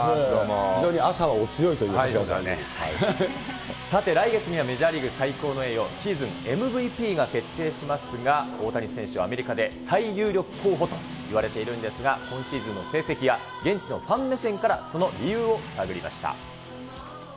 非常に朝はお強いということさて、来月にはメジャーリーグ最高の栄誉、シーズンＭＶＰが決定しますが、大谷選手はアメリカで最有力候補といわれているんですが、今シーズンの成績や、現地のファン目線からその理由を探りました。